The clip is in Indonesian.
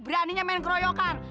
beraninya main keroyokan